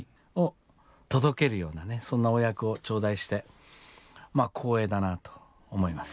そんなお役を頂戴して光栄だなと思います。